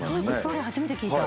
初めて聞いた。